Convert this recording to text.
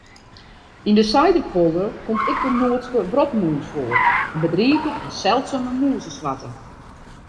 Yn de Saiterpolder komt ek de Noardske wrotmûs foar, in bedrige en seldsume mûzesoarte.